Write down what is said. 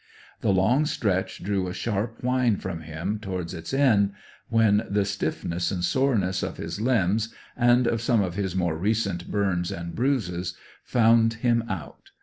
The long stretch drew a sharp whine from him towards its end, when the stiffness and soreness of his limbs, and of some of his more recent burns and bruises, found him out.